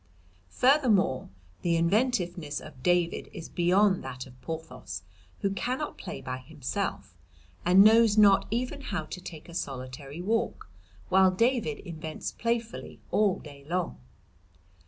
"Furthermore, the inventiveness of David is beyond that of Porthos, who cannot play by himself, and knows not even how to take a solitary walk, while David invents playfully all day long.